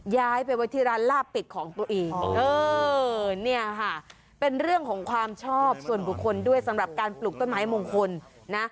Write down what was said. ย้ายไปไว้ที่ร้านลาบปิดของตัวเองเออเนี่ยค่ะเป็นเรื่องของความชอบส่วนบุคคลด้วยสำหรับการปลูกต้นไม้มงคลนะ